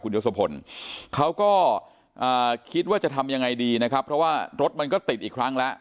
ยศพลเขาก็คิดว่าจะทำยังไงดีนะครับเพราะว่ารถมันก็ติดอีกครั้งแล้ว